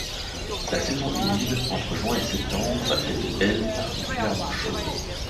La saison humide, entre juin et septembre, est elle particulièrement chaude.